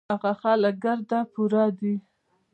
هغه خلک ګړد پوره دي